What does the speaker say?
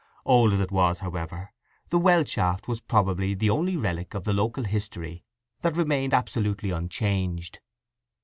Old as it was, however, the well shaft was probably the only relic of the local history that remained absolutely unchanged.